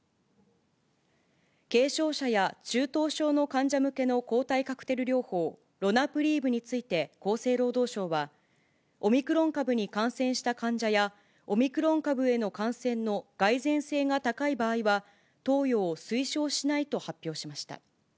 軽症者や中等症の患者向けの抗体カクテル療法、ロナプリーブについて、厚生労働省は、オミクロン株に感染した患者や、オミクロン株への感染の蓋然性が高い場合は、投与を推奨しないと発表しました。